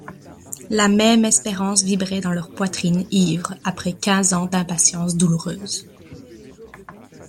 La même espérance vibrait dans leurs poitrines ivres, après quinze ans d'impatience douloureuse.